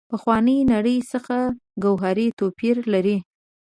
پخوانۍ نړۍ څخه ګوهري توپیر لري.